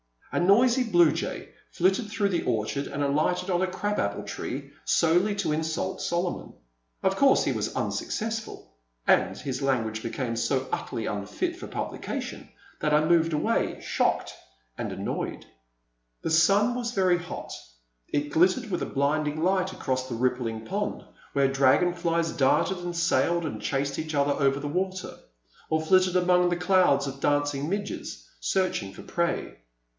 A noisy blue jay flitted through the orchard and alighted on a crab apple tree solely to insult Solomon. He of course was unsuccessful, and his language became so utterly unfit for publica tion that I moved away, shocked and annoyed. ^ The sun was very hot. It glittered with a blinding light across the rippling pond, where dragon flies darted and sailed and chased each other over the water, or flitted among the clouds of dancing midges, searching for prey.